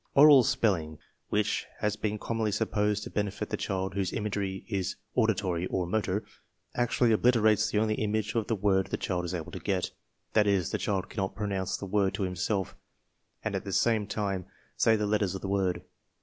Oral spelling, which has been commonly supposed to benefit the child whose imagery is auditory or motor, actually obliterates the only image of the word the child is able to get. That is, the child cannot pronounce the word to himself and at the same time say the letters of the word.